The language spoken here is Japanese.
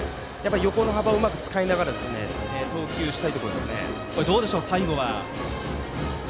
横の幅をうまく使いながら投球したいところですね。